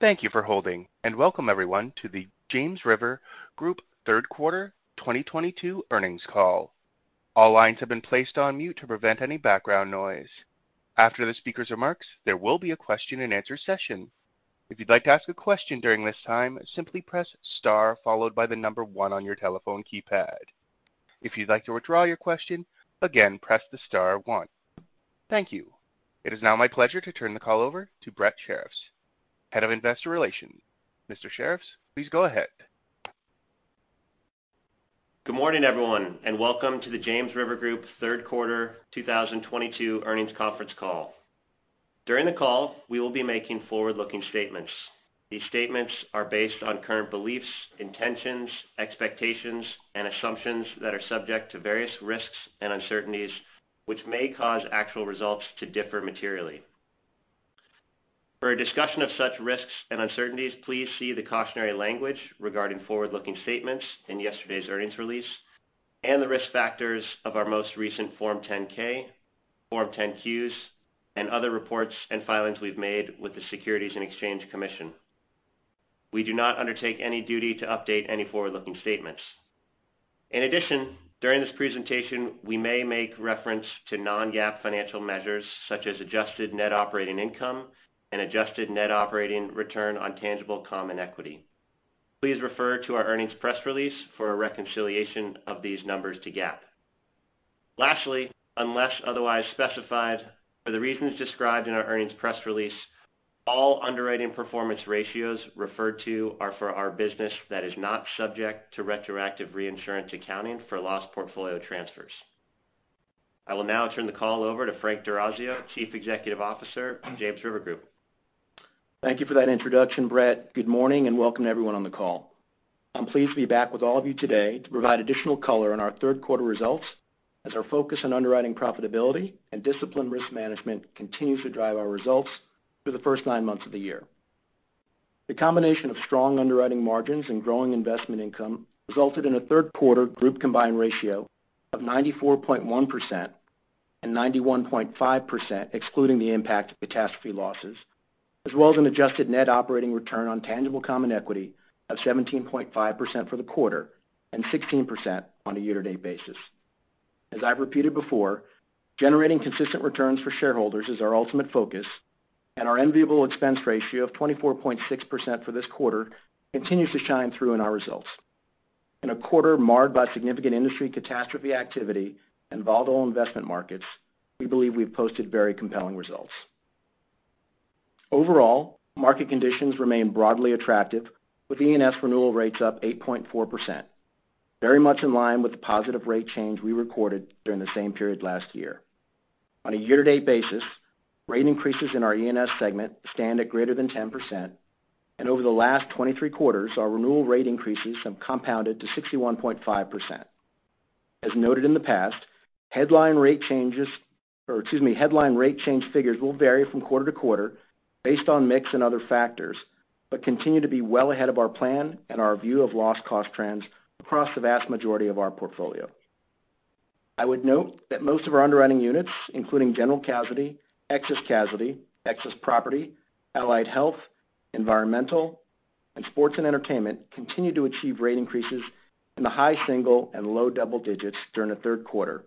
Thank you for holding, welcome everyone to the James River Group Third Quarter 2022 earnings call. All lines have been placed on mute to prevent any background noise. After the speaker's remarks, there will be a question and answer session. If you'd like to ask a question during this time, simply press star followed by the number 1 on your telephone keypad. If you'd like to withdraw your question, again, press the star 1. Thank you. It is now my pleasure to turn the call over to Brett Shirreffs, Head of Investor Relations. Mr. Shirreffs, please go ahead. Good morning, everyone, welcome to the James River Group Third Quarter 2022 earnings conference call. During the call, we will be making forward-looking statements. These statements are based on current beliefs, intentions, expectations, and assumptions that are subject to various risks and uncertainties, which may cause actual results to differ materially. For a discussion of such risks and uncertainties, please see the cautionary language regarding forward-looking statements in yesterday's earnings release and the risk factors of our most recent Form 10-K, Form 10-Q, and other reports and filings we've made with the Securities and Exchange Commission. We do not undertake any duty to update any forward-looking statements. In addition, during this presentation, we may make reference to non-GAAP financial measures such as adjusted net operating income and adjusted net operating return on tangible common equity. Please refer to our earnings press release for a reconciliation of these numbers to GAAP. Lastly, unless otherwise specified for the reasons described in our earnings press release, all underwriting performance ratios referred to are for our business that is not subject to retroactive reinsurance accounting for loss portfolio transfers. I will now turn the call over to Frank D'Orazio, Chief Executive Officer, James River Group. Thank you for that introduction, Brett. Good morning, welcome everyone on the call. I'm pleased to be back with all of you today to provide additional color on our third quarter results as our focus on underwriting profitability and disciplined risk management continues to drive our results through the first nine months of the year. The combination of strong underwriting margins and growing investment income resulted in a third quarter group combined ratio of 94.1% and 91.5%, excluding the impact of catastrophe losses, as well as an adjusted net operating return on tangible common equity of 17.5% for the quarter and 16% on a year-to-date basis. As I've repeated before, generating consistent returns for shareholders is our ultimate focus, our enviable expense ratio of 24.6% for this quarter continues to shine through in our results. In a quarter marred by significant industry catastrophe activity and volatile investment markets, we believe we've posted very compelling results. Overall, market conditions remain broadly attractive with E&S renewal rates up 8.4%, very much in line with the positive rate change we recorded during the same period last year. On a year-to-date basis, rate increases in our E&S segment stand at greater than 10%, and over the last 23 quarters, our renewal rate increases have compounded to 61.5%. As noted in the past, headline rate changes, or excuse me, headline rate change figures will vary from quarter to quarter based on mix and other factors, but continue to be well ahead of our plan and our view of loss cost trends across the vast majority of our portfolio. I would note that most of our underwriting units, including General Casualty, Excess Casualty, Excess Property, Allied Health, Environmental, and Sports and Entertainment, continue to achieve rate increases in the high single and low double digits during the third quarter,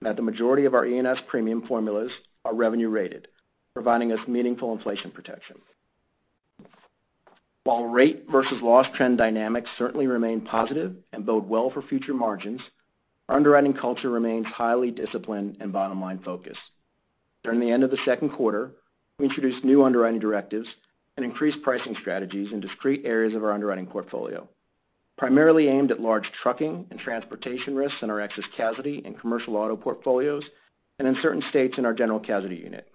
and that the majority of our E&S premium formulas are revenue rated, providing us meaningful inflation protection. While rate versus loss trend dynamics certainly remain positive and bode well for future margins, our underwriting culture remains highly disciplined and bottom-line focused. During the end of the second quarter, we introduced new underwriting directives and increased pricing strategies in discrete areas of our underwriting portfolio, primarily aimed at large trucking and transportation risks in our Excess Casualty and commercial auto portfolios and in certain states in our General Casualty unit.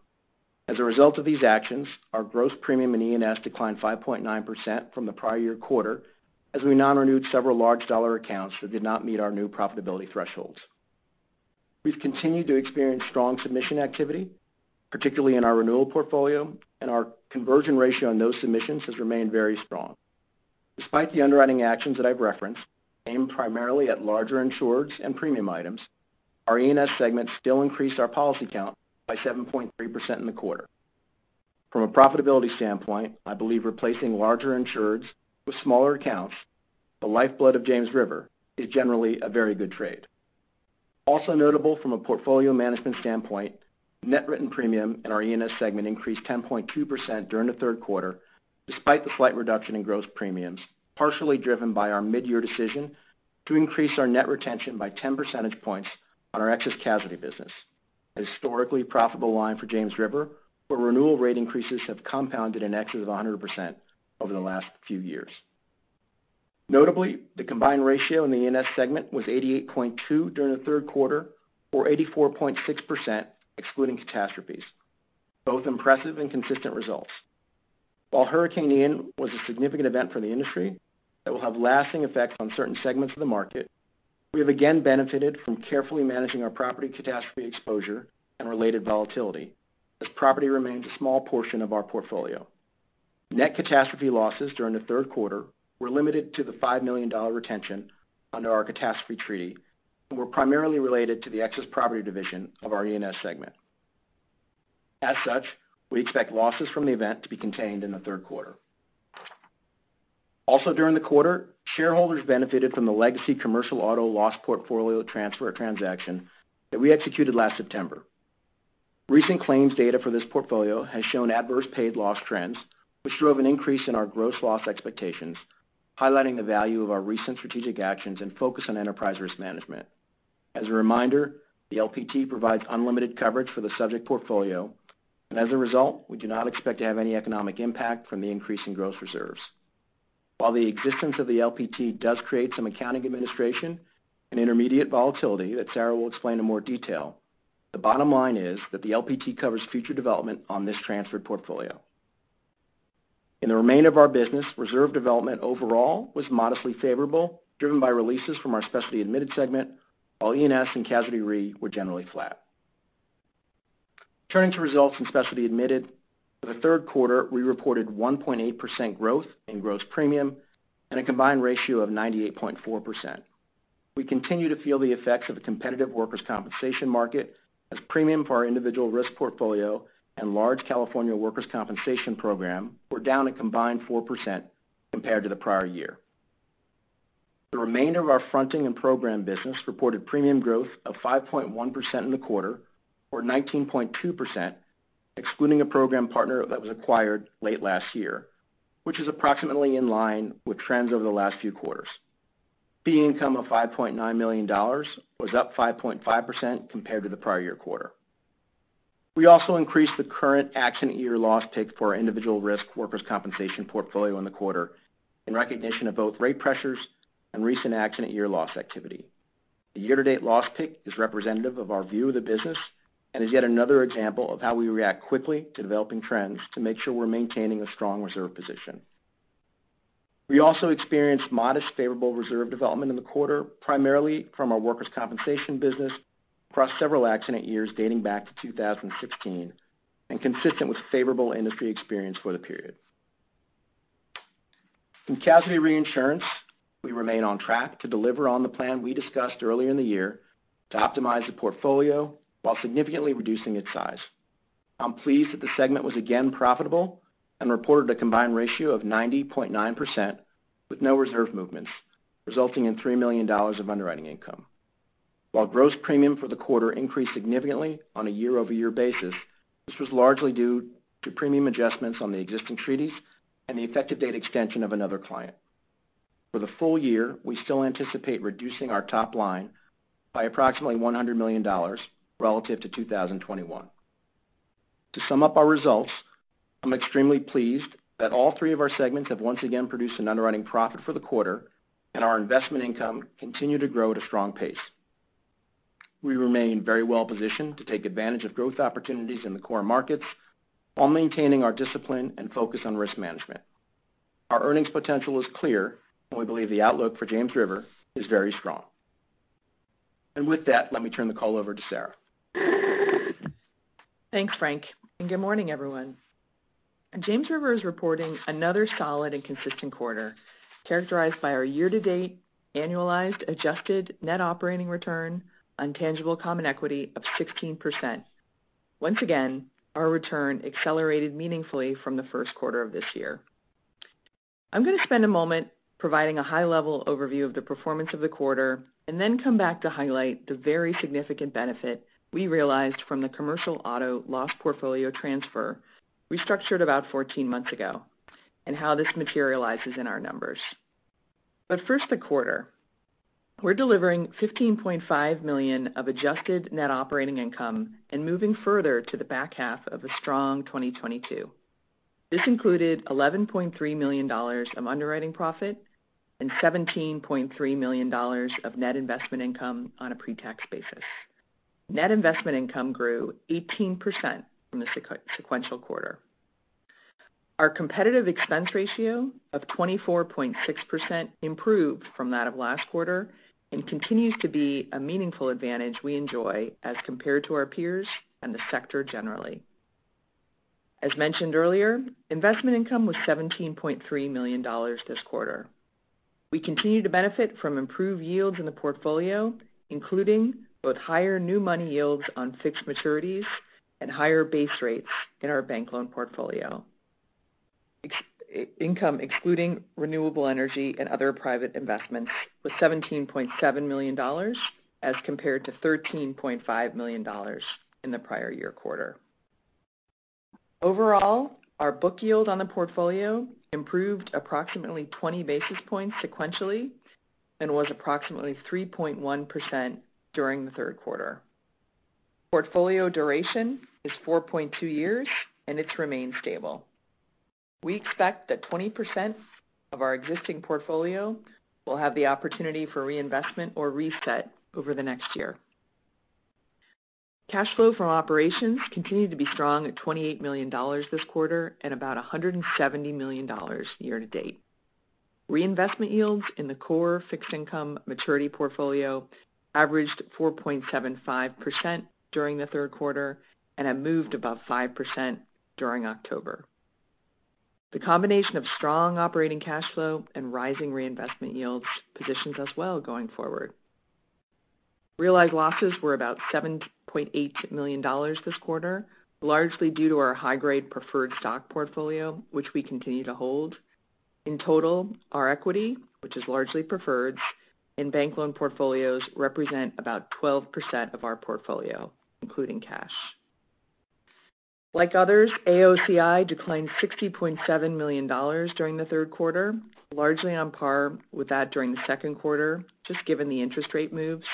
As a result of these actions, our gross premium in E&S declined 5.9% from the prior year quarter as we non-renewed several large dollar accounts that did not meet our new profitability thresholds. We've continued to experience strong submission activity, particularly in our renewal portfolio, and our conversion ratio on those submissions has remained very strong. Despite the underwriting actions that I've referenced, aimed primarily at larger insureds and premium items, our E&S segment still increased our policy count by 7.3% in the quarter. From a profitability standpoint, I believe replacing larger insureds with smaller accounts, the lifeblood of James River, is generally a very good trade. Also notable from a portfolio management standpoint, net written premium in our E&S segment increased 10.2% during the third quarter despite the slight reduction in gross premiums, partially driven by our midyear decision to increase our net retention by 10 percentage points on our Excess Casualty business, a historically profitable line for James River, where renewal rate increases have compounded in excess of 100% over the last few years. Notably, the combined ratio in the E&S segment was 88.2% during the third quarter, or 84.6% excluding catastrophes, both impressive and consistent results. While Hurricane Ian was a significant event for the industry that will have lasting effects on certain segments of the market, we have again benefited from carefully managing our property catastrophe exposure and related volatility, as property remains a small portion of our portfolio. Net catastrophe losses during the third quarter were limited to the $5 million retention under our catastrophe treaty and were primarily related to the Excess Property division of our E&S segment. As such, we expect losses from the event to be contained in the third quarter. Also during the quarter, shareholders benefited from the legacy commercial auto loss portfolio transfer transaction that we executed last September. Recent claims data for this portfolio has shown adverse paid loss trends, which drove an increase in our gross loss expectations, highlighting the value of our recent strategic actions and focus on enterprise risk management. As a reminder, the LPT provides unlimited coverage for the subject portfolio, and as a result, we do not expect to have any economic impact from the increase in gross reserves. While the existence of the LPT does create some accounting administration and intermediate volatility that Sarah will explain in more detail, the bottom line is that the LPT covers future development on this transferred portfolio. In the remainder of our business, reserve development overall was modestly favorable, driven by releases from our specialty admitted segment, while E&S and Casualty Re were generally flat. Turning to results from specialty admitted. For the third quarter, we reported 1.8% growth in gross premium and a combined ratio of 98.4%. We continue to feel the effects of a competitive workers' compensation market as premium for our individual risk portfolio and large California workers' compensation program were down a combined 4% compared to the prior year. The remainder of our fronting and program business reported premium growth of 5.1% in the quarter, or 19.2%, excluding a program partner that was acquired late last year, which is approximately in line with trends over the last few quarters. Fee income of $5.9 million was up 5.5% compared to the prior year quarter. We also increased the current accident year loss pick for our individual risk workers' compensation portfolio in the quarter in recognition of both rate pressures and recent accident year loss activity. The year-to-date loss pick is representative of our view of the business and is yet another example of how we react quickly to developing trends to make sure we're maintaining a strong reserve position. We also experienced modest favorable reserve development in the quarter, primarily from our workers' compensation business across several accident years dating back to 2016 and consistent with favorable industry experience for the period. In casualty reinsurance, we remain on track to deliver on the plan we discussed earlier in the year to optimize the portfolio while significantly reducing its size. I'm pleased that the segment was again profitable and reported a combined ratio of 90.9% with no reserve movements, resulting in $3 million of underwriting income. While gross premium for the quarter increased significantly on a year-over-year basis, this was largely due to premium adjustments on the existing treaties and the effective date extension of another client. For the full year, we still anticipate reducing our top line by approximately $100 million relative to 2021. To sum up our results, I'm extremely pleased that all three of our segments have once again produced an underwriting profit for the quarter, and our investment income continued to grow at a strong pace. We remain very well-positioned to take advantage of growth opportunities in the core markets while maintaining our discipline and focus on risk management. Our earnings potential is clear, and we believe the outlook for James River is very strong. With that, let me turn the call over to Sarah. Thanks, Frank. Good morning, everyone. James River is reporting another solid and consistent quarter, characterized by our year-to-date annualized adjusted net operating return on tangible common equity of 16%. Once again, our return accelerated meaningfully from the first quarter of this year. I'm going to spend a moment providing a high-level overview of the performance of the quarter and then come back to highlight the very significant benefit we realized from the commercial auto loss portfolio transfer we structured about 14 months ago and how this materializes in our numbers. First the quarter. We're delivering $15.5 million of adjusted net operating income and moving further to the back half of a strong 2022. This included $11.3 million of underwriting profit and $17.3 million of net investment income on a pre-tax basis. Net investment income grew 18% from the sequential quarter. Our competitive expense ratio of 24.6% improved from that of last quarter and continues to be a meaningful advantage we enjoy as compared to our peers and the sector generally. As mentioned earlier, investment income was $17.3 million this quarter. We continue to benefit from improved yields in the portfolio, including both higher new money yields on fixed maturities and higher base rates in our bank loan portfolio. Income excluding renewable energy and other private investments was $17.7 million as compared to $13.5 million in the prior year quarter. Overall, our book yield on the portfolio improved approximately 20 basis points sequentially and was approximately 3.1% during the third quarter. Portfolio duration is 4.2 years. It's remained stable. We expect that 20% of our existing portfolio will have the opportunity for reinvestment or reset over the next year. Cash flow from operations continued to be strong at $28 million this quarter and about $170 million year to date. Reinvestment yields in the core fixed income maturity portfolio averaged 4.75% during the third quarter and have moved above 5% during October. The combination of strong operating cash flow and rising reinvestment yields positions us well going forward. Realized losses were about $7.8 million this quarter, largely due to our high-grade preferred stock portfolio, which we continue to hold. In total, our equity, which is largely preferreds, and bank loan portfolios represent about 12% of our portfolio, including cash. Like others, AOCI declined $60.7 million during the third quarter, largely on par with that during the second quarter, just given the interest rate moves.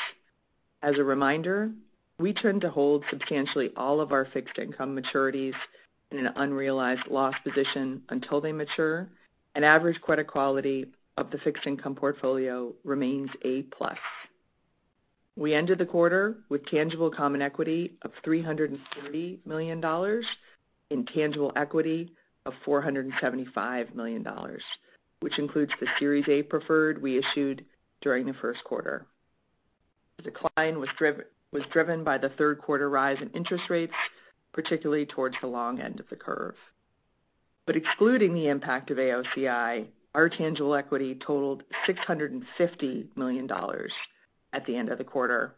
As a reminder, we tend to hold substantially all of our fixed income maturities in an unrealized loss position until they mature, and average credit quality of the fixed income portfolio remains A-plus. We ended the quarter with tangible common equity of $330 million in tangible equity of $475 million, which includes the Series A preferred we issued during the first quarter. The decline was driven by the third quarter rise in interest rates, particularly towards the long end of the curve. Excluding the impact of AOCI, our tangible equity totaled $650 million at the end of the quarter,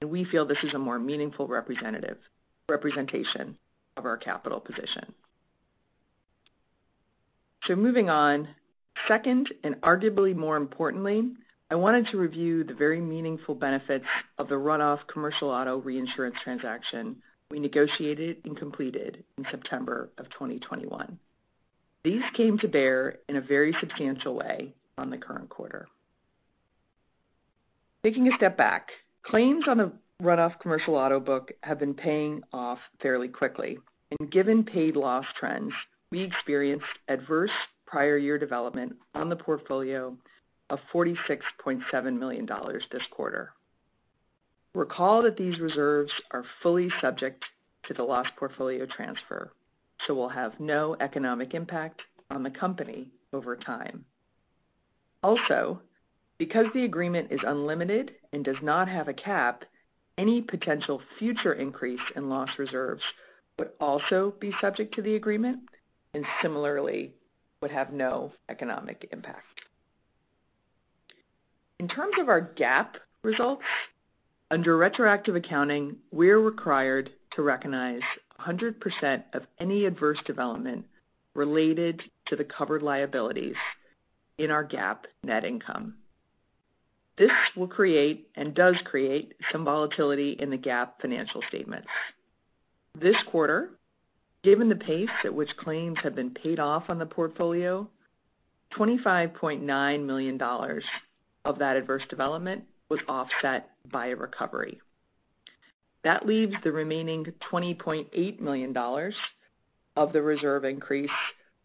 and we feel this is a more meaningful representation of our capital position. Moving on. Second, and arguably more importantly, I wanted to review the very meaningful benefits of the runoff commercial auto reinsurance transaction we negotiated and completed in September 2021. These came to bear in a very substantial way on the current quarter. Taking a step back, claims on the runoff commercial auto book have been paying off fairly quickly. Given paid loss trends, we experienced adverse prior year development on the portfolio of $46.7 million this quarter. Recall that these reserves are fully subject to the loss portfolio transfer, so will have no economic impact on the company over time. Because the agreement is unlimited and does not have a cap, any potential future increase in loss reserves would also be subject to the agreement, and similarly, would have no economic impact. In terms of our GAAP results, under retroactive accounting, we're required to recognize 100% of any adverse development related to the covered liabilities in our GAAP net income. This will create and does create some volatility in the GAAP financial statements. This quarter, given the pace at which claims have been paid off on the portfolio, $25.9 million of that adverse development was offset by a recovery. That leaves the remaining $20.8 million of the reserve increase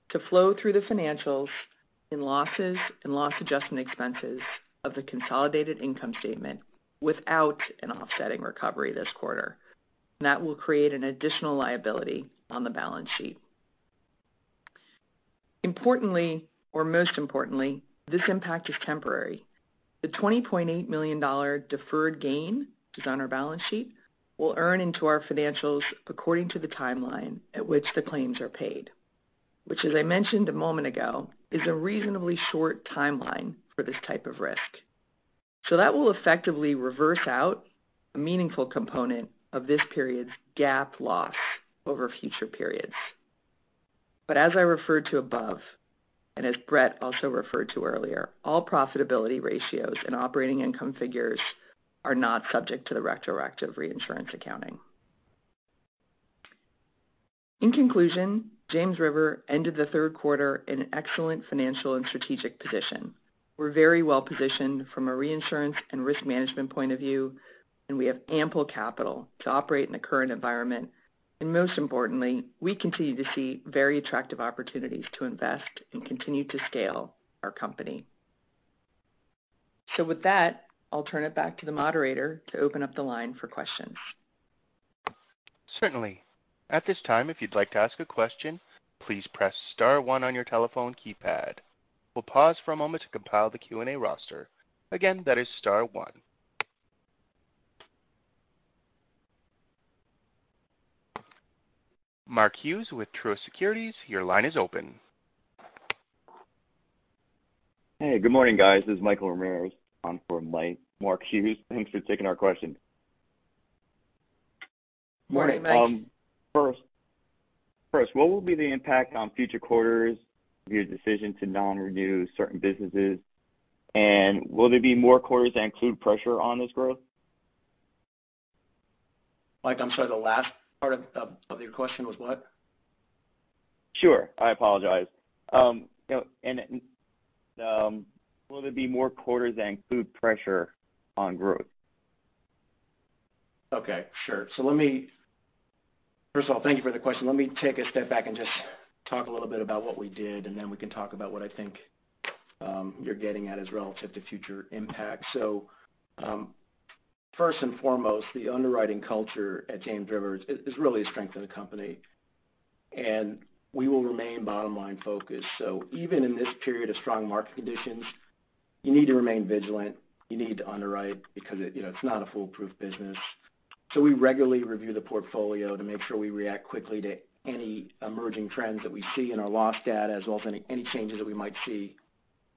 to flow through the financials in losses and loss adjustment expenses of the consolidated income statement without an offsetting recovery this quarter. That will create an additional liability on the balance sheet. Importantly or most importantly, this impact is temporary. The $20.8 million deferred gain that's on our balance sheet will earn into our financials according to the timeline at which the claims are paid, which as I mentioned a moment ago, is a reasonably short timeline for this type of risk. That will effectively reverse out a meaningful component of this period's GAAP loss over future periods. As I referred to above, and as Brett also referred to earlier, all profitability ratios and operating income figures are not subject to the retroactive re-insurance accounting. In conclusion, James River ended the third quarter in an excellent financial and strategic position. We're very well-positioned from a reinsurance and risk management point of view, and we have ample capital to operate in the current environment. Most importantly, we continue to see very attractive opportunities to invest and continue to scale our company. With that, I'll turn it back to the moderator to open up the line for questions. Certainly. At this time, if you'd like to ask a question, please press star one on your telephone keypad. We'll pause for a moment to compile the Q&A roster. Again, that is star one. Mark Hughes with Truist Securities, your line is open. Hey, good morning, guys. This is Michael Ramirez on for Mark Hughes. Thanks for taking our question. Morning, Mike. First, what will be the impact on future quarters of your decision to non-renew certain businesses? Will there be more quarters that include pressure on this growth? Mike, I'm sorry, the last part of your question was what? Sure. I apologize. Will there be more quarters that include pressure on growth? Okay, sure. First of all, thank you for the question. Let me take a step back and just talk a little bit about what we did, and then we can talk about what I think you're getting at as relative to future impact. First and foremost, the underwriting culture at James River is really a strength of the company, and we will remain bottom-line focused. Even in this period of strong market conditions, you need to remain vigilant. You need to underwrite because it's not a foolproof business. We regularly review the portfolio to make sure we react quickly to any emerging trends that we see in our loss data, as well as any changes that we might see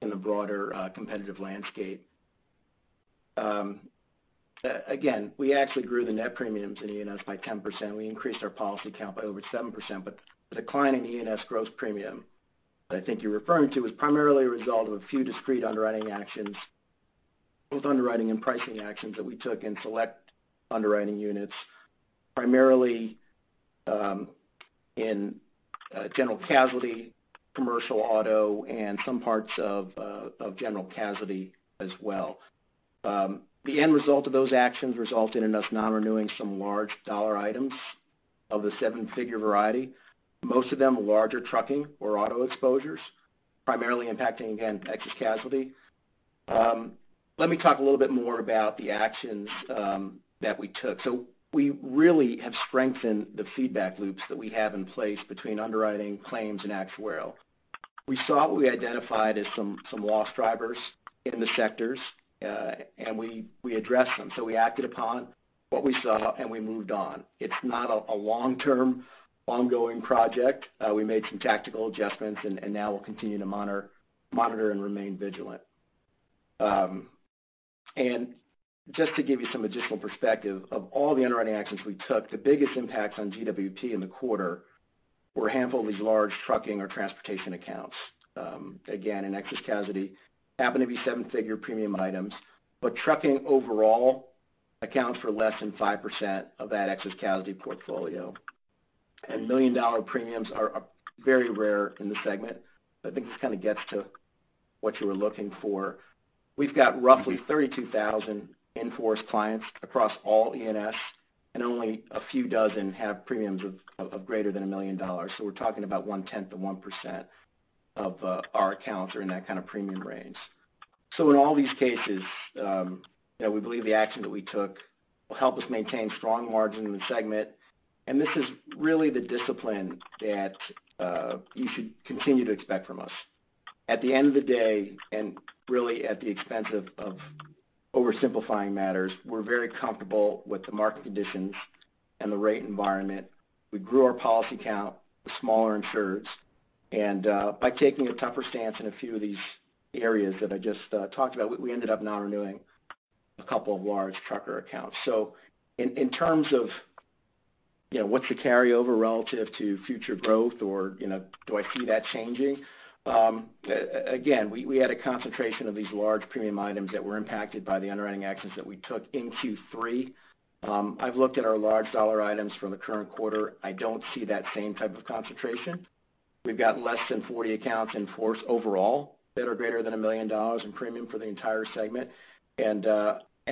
in the broader competitive landscape. Again, we actually grew the net premiums in E&S by 10%. We increased our policy count by over 7%, but the decline in E&S gross premium that I think you're referring to was primarily a result of a few discrete underwriting actions, both underwriting and pricing actions that we took in select underwriting units, primarily in general casualty, commercial auto, and some parts of general casualty as well. The end result of those actions resulted in us not renewing some large dollar items of the seven-figure variety. Most of them larger trucking or auto exposures, primarily impacting, again, excess casualty. Let me talk a little bit more about the actions that we took. We really have strengthened the feedback loops that we have in place between underwriting claims and actuarial. We saw what we identified as some loss drivers in the sectors, and we addressed them. We acted upon what we saw, and we moved on. It's not a long-term ongoing project. We made some tactical adjustments, now we'll continue to monitor and remain vigilant. Just to give you some additional perspective, of all the underwriting actions we took, the biggest impacts on GWP in the quarter were a handful of these large trucking or transportation accounts. In excess casualty, happened to be 7-figure premium items. Trucking overall accounts for less than 5% of that excess casualty portfolio. $1 million premiums are very rare in the segment. I think this kind of gets to what you were looking for. We've got roughly 32,000 in-force clients across all E&S, and only a few dozen have premiums of greater than $1 million. We're talking about one-tenth of 1% of our accounts are in that kind of premium range. In all these cases, we believe the action that we took will help us maintain strong margin in the segment. This is really the discipline that you should continue to expect from us. At the end of the day, really at the expense of oversimplifying matters, we're very comfortable with the market conditions and the rate environment. We grew our policy count with smaller insureds. By taking a tougher stance in a few of these areas that I just talked about, we ended up not renewing a couple of large trucker accounts. In terms of what's the carryover relative to future growth or do I see that changing? We had a concentration of these large premium items that were impacted by the underwriting actions that we took in Q3. I've looked at our large dollar items from the current quarter. I don't see that same type of concentration. We've got less than 40 accounts in force overall that are greater than $1 million in premium for the entire segment.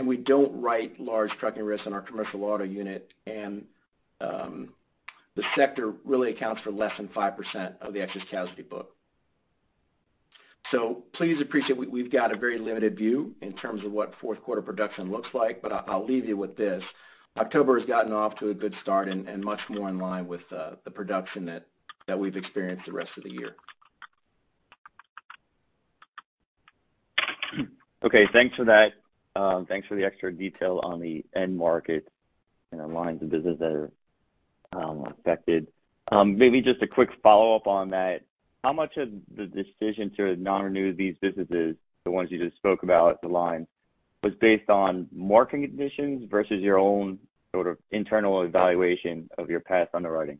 We don't write large trucking risks in our commercial auto unit. The sector really accounts for less than 5% of the excess casualty book. Please appreciate we've got a very limited view in terms of what fourth quarter production looks like. I'll leave you with this. October has gotten off to a good start and much more in line with the production that we've experienced the rest of the year. Okay. Thanks for that. Thanks for the extra detail on the end market and the lines of business that are affected. Maybe just a quick follow-up on that. How much of the decision to not renew these businesses, the ones you just spoke about, the lines, was based on market conditions versus your own sort of internal evaluation of your past underwriting?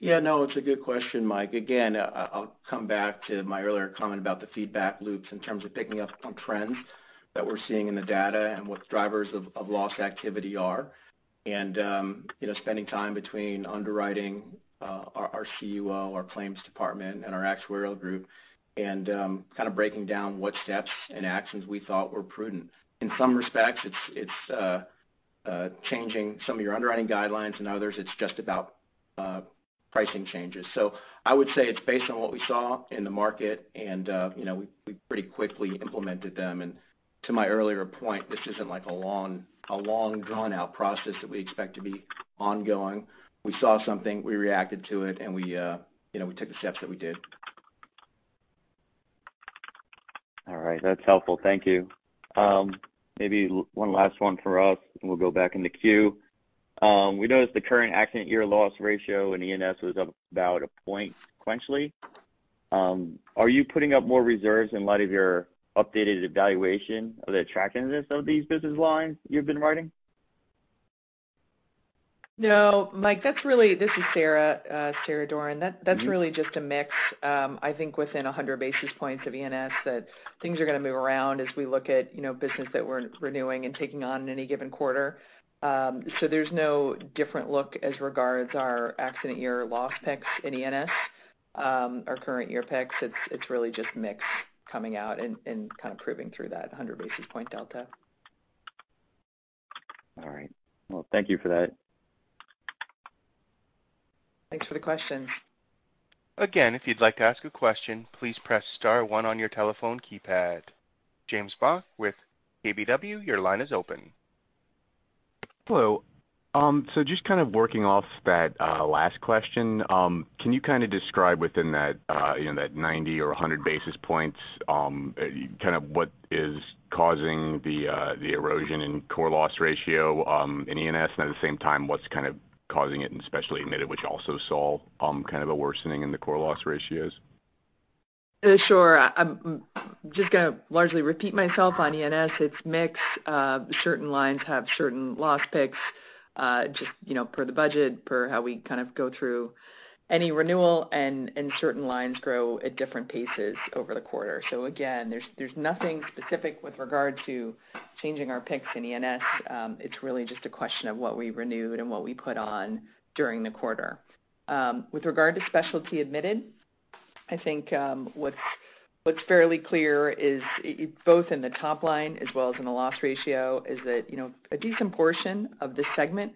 Yeah, no, it's a good question, Mike. Again, I'll come back to my earlier comment about the feedback loops in terms of picking up on trends that we're seeing in the data and what the drivers of loss activity are. Spending time between underwriting, our CUO, our claims department, and our actuarial group, and kind of breaking down what steps and actions we thought were prudent. In some respects, it's changing some of your underwriting guidelines, and others, it's just about pricing changes. I would say it's based on what we saw in the market, and we pretty quickly implemented them. To my earlier point, this isn't like a long, drawn-out process that we expect to be ongoing. We saw something, we reacted to it, and we took the steps that we did. All right. That's helpful. Thank you. Maybe one last one for us, and we'll go back in the queue. We noticed the current accident year loss ratio in E&S was up about one point sequentially. Are you putting up more reserves in light of your updated evaluation of the attractiveness of these business lines you've been writing? No, Mike, this is Sarah. Sarah Doran. That's really just a mix. I think within 100 basis points of E&S that things are going to move around as we look at business that we're renewing and taking on in any given quarter. There's no different look as regards our accident year loss picks in E&S. Our current year picks, it's really just mix coming out and kind of proving through that 100 basis point delta. All right. Well, thank you for that. Thanks for the question. If you'd like to ask a question, please press star 1 on your telephone keypad. Meyer Shields with KBW, your line is open. Hello. Just kind of working off that last question, can you kind of describe within that 90 or 100 basis points, what is causing the erosion in core loss ratio in E&S? At the same time, what's causing it in specialty admitted, which also saw kind of a worsening in the core loss ratios? Sure. I'm just going to largely repeat myself on E&S. It's mix. Certain lines have certain loss picks, just per the budget, per how we kind of go through any renewal, Certain lines grow at different paces over the quarter. Again, there's nothing specific with regard to changing our picks in E&S. It's really just a question of what we renewed and what we put on during the quarter. With regard to specialty admitted, I think what's fairly clear is, both in the top line as well as in the loss ratio is that a decent portion of this segment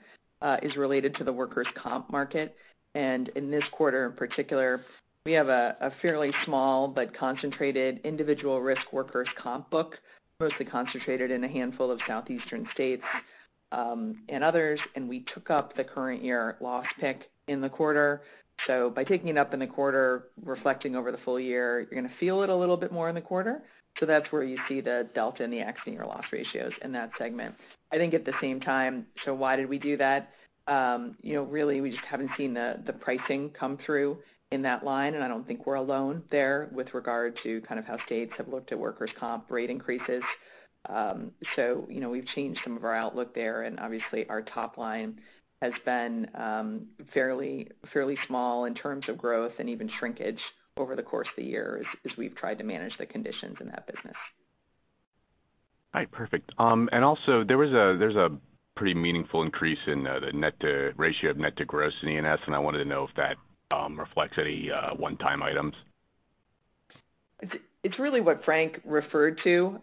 is related to the workers' comp market. In this quarter in particular, we have a fairly small but concentrated individual risk workers' comp book, mostly concentrated in a handful of southeastern states, and others, and we took up the current year loss pick in the quarter. By taking it up in the quarter, reflecting over the full year, you're going to feel it a little bit more in the quarter. That's where you see the delta in the accident year loss ratios in that segment. I think at the same time, why did we do that? Really, we just haven't seen the pricing come through in that line, and I don't think we're alone there with regard to kind of how states have looked at workers' comp rate increases. We've changed some of our outlook there, and obviously, our top line has been fairly small in terms of growth and even shrinkage over the course of the year as we've tried to manage the conditions in that business. All right. Perfect. Also, there's a pretty meaningful increase in the ratio of net to gross in E&S, and I wanted to know if that reflects any one-time items. It's really what Frank referred to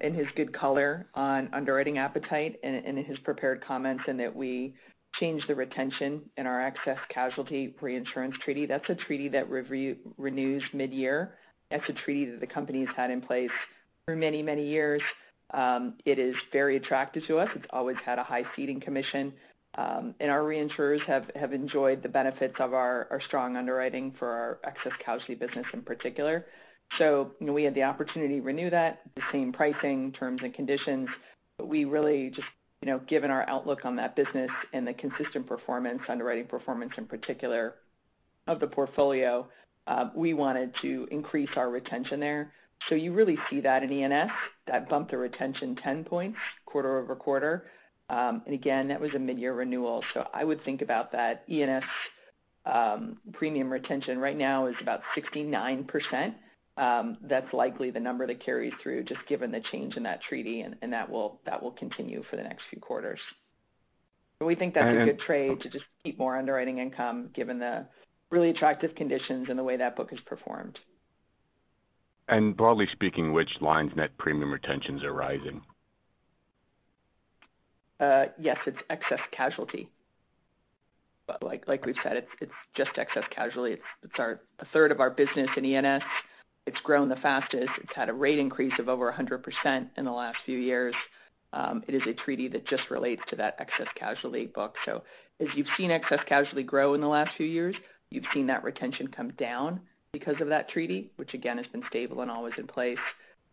in his good color on underwriting appetite in his prepared comments, in that we changed the retention in our excess casualty reinsurance treaty. That's a treaty that renews mid-year. That's a treaty that the company's had in place for many, many years. It is very attractive to us. It's always had a high ceding commission. Our reinsurers have enjoyed the benefits of our strong underwriting for our Excess Casualty business in particular. We had the opportunity to renew that at the same pricing terms and conditions. We really just, given our outlook on that business and the consistent performance, underwriting performance in particular of the portfolio, we wanted to increase our retention there. You really see that in E&S. That bumped the retention 10 points quarter-over-quarter. Again, that was a mid-year renewal. I would think about that E&S premium retention right now is about 69%. That's likely the number that carries through just given the change in that treaty, and that will continue for the next few quarters. We think that's a good trade to just keep more underwriting income given the really attractive conditions and the way that book has performed. Broadly speaking, which lines' net premium retentions are rising? Yes, it's Excess Casualty. Like we've said, it's just Excess Casualty. It's a third of our business in E&S. It's grown the fastest. It's had a rate increase of over 100% in the last few years. It is a treaty that just relates to that Excess Casualty book. As you've seen Excess Casualty grow in the last few years, you've seen that retention come down because of that treaty, which again, has been stable and always in place.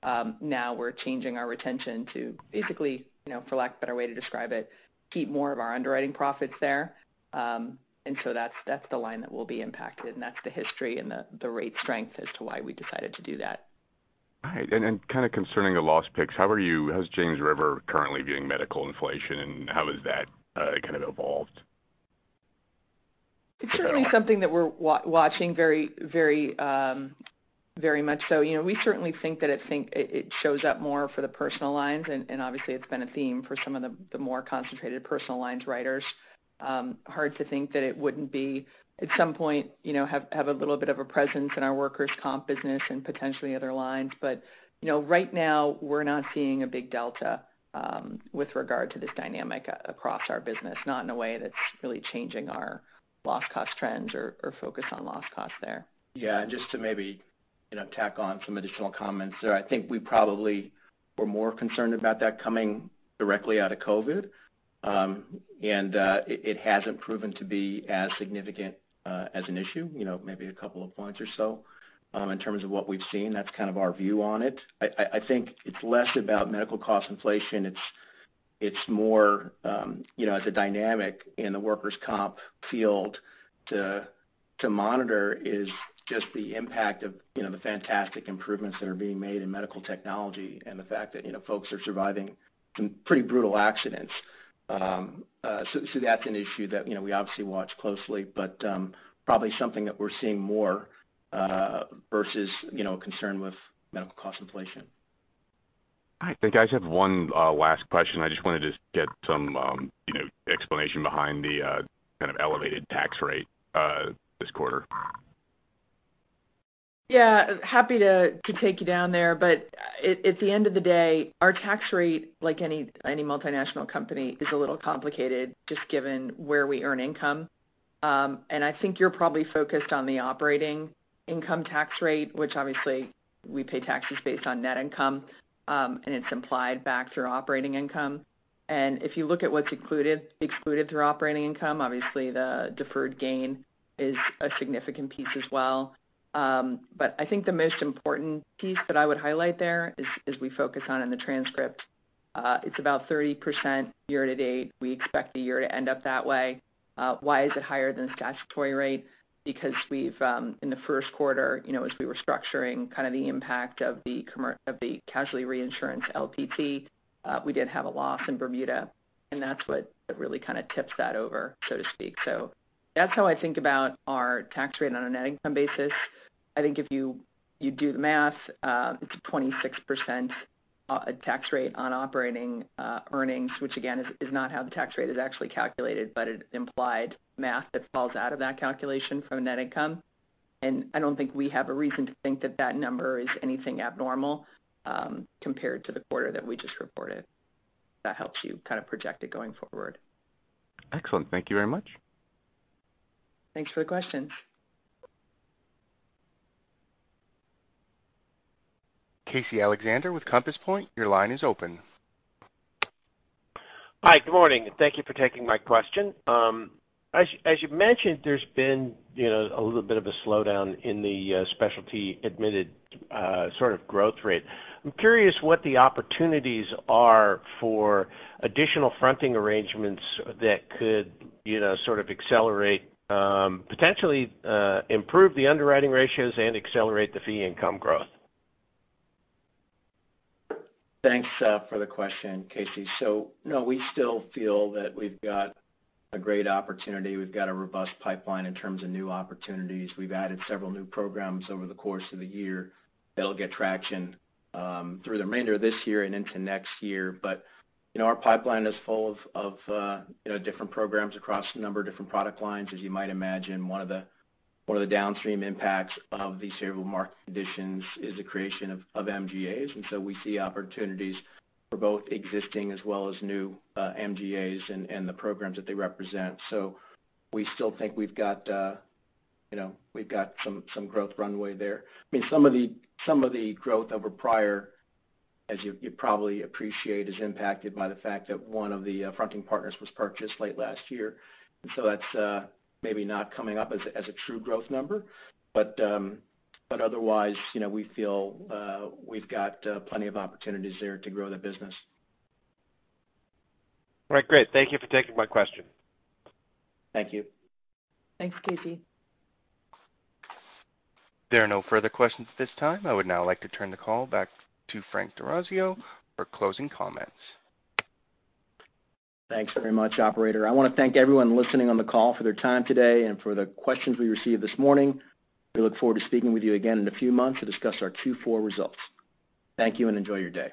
We're changing our retention to basically, for lack of a better way to describe it, keep more of our underwriting profits there. That's the line that will be impacted, and that's the history and the rate strength as to why we decided to do that. All right. Kind of concerning the loss picks, how is James River currently viewing medical inflation, and how has that kind of evolved? It's certainly something that we're watching very much so. We certainly think that it shows up more for the personal lines, and obviously, it's been a theme for some of the more concentrated personal lines writers. Hard to think that it wouldn't be, at some point, have a little bit of a presence in our workers' comp business and potentially other lines. Right now we're not seeing a big delta with regard to this dynamic across our business. Not in a way that's really changing our loss cost trends or focus on loss costs there. Just to maybe tack on some additional comments there. I think we probably were more concerned about that coming directly out of COVID. It hasn't proven to be as significant as an issue. Maybe a couple of points or so in terms of what we've seen. That's kind of our view on it. I think it's less about medical cost inflation. It's more as a dynamic in the workers' compensation field to monitor is just the impact of the fantastic improvements that are being made in medical technology, and the fact that folks are surviving some pretty brutal accidents. That's an issue that we obviously watch closely, but probably something that we're seeing more versus concern with medical cost inflation. I think I just have one last question. I just wanted to get some explanation behind the kind of elevated tax rate this quarter. Happy to take you down there. At the end of the day, our tax rate, like any multinational company, is a little complicated just given where we earn income. I think you're probably focused on the operating income tax rate, which obviously we pay taxes based on net income, and it's implied back through operating income. If you look at what's excluded through operating income, obviously the deferred gain is a significant piece as well. I think the most important piece that I would highlight there as we focus on the transcript. It's about 30% year to date. We expect the year to end up that way. Why is it higher than the statutory rate? We've, in the first quarter, as we were structuring kind of the impact of the casualty reinsurance LPT, we did have a loss in Bermuda, and that's what really kind of tips that over, so to speak. That's how I think about our tax rate on a net income basis. I think if you do the math, it's a 26% tax rate on operating earnings, which again, is not how the tax rate is actually calculated, but an implied math that falls out of that calculation from net income. I don't think we have a reason to think that that number is anything abnormal compared to the quarter that we just reported. That helps you kind of project it going forward. Excellent. Thank you very much. Thanks for the questions. Casey Alexander with Compass Point, your line is open. Hi, good morning. Thank you for taking my question. As you've mentioned, there's been a little bit of a slowdown in the specialty admitted sort of growth rate. I'm curious what the opportunities are for additional fronting arrangements that could sort of accelerate, potentially improve the underwriting ratios and accelerate the fee income growth. Thanks for the question, Casey. No, we still feel that we've got a great opportunity. We've got a robust pipeline in terms of new opportunities. We've added several new programs over the course of the year that will get traction through the remainder of this year and into next year. Our pipeline is full of different programs across a number of different product lines. As you might imagine, one of the downstream impacts of these terrible market conditions is the creation of MGAs. We see opportunities for both existing as well as new MGAs and the programs that they represent. We still think we've got some growth runway there. Some of the growth over prior, as you probably appreciate, is impacted by the fact that one of the fronting partners was purchased late last year. That's maybe not coming up as a true growth number. Otherwise, we feel we've got plenty of opportunities there to grow the business. All right, great. Thank you for taking my question. Thank you. Thanks, Casey. There are no further questions at this time. I would now like to turn the call back to Frank D'Orazio for closing comments. Thanks very much, operator. I want to thank everyone listening on the call for their time today and for the questions we received this morning. We look forward to speaking with you again in a few months to discuss our Q4 results. Thank you and enjoy your day.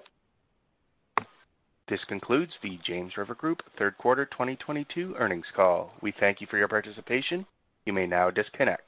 This concludes the James River Group Third Quarter 2022 Earnings Call. We thank you for your participation. You may now disconnect.